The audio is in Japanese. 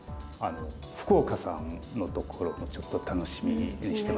福岡さんのところもちょっと楽しみにしてます。